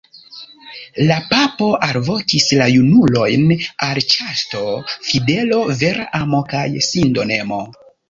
La papo alvokis la junulojn al ĉasto, fidelo, vera amo kaj sindonemo.